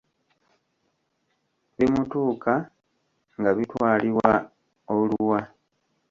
Bimutuuka nga bitwalibwa oluwa.